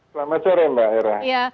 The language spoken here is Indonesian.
selamat sore mbak eira